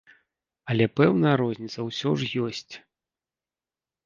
Але пэўная розніца ўсё ж ёсць.